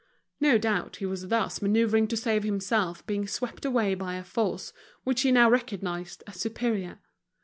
No doubt he was thus manoeuvring to save himself being swept away by a force which he now recognized as superior.